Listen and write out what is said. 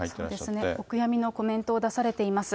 そうですね、お悔やみのコメントを出されています。